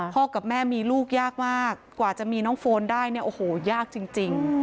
กับแม่มีลูกยากมากกว่าจะมีน้องโฟนได้เนี่ยโอ้โหยากจริง